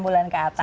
enam bulan ke atas